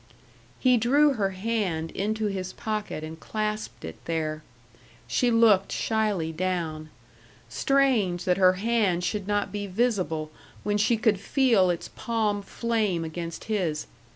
He drew her hand into his pocket and clasped it there. She looked shyly down. Strange that her hand should not be visible when she could feel its palm flame against his.